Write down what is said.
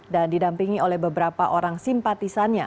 dan didampingi oleh beberapa orang simpatisannya